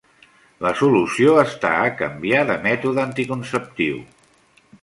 La solució està a canviar de mètode anticonceptiu.